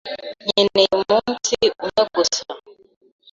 Nkeneye umunsi umwe gusa.